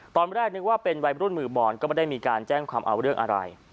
ตอนแรกนึกว่าเป็นวัยรุ่นมือบอลก็ไม่ได้มีการแจ้งความเอาเรื่องอะไร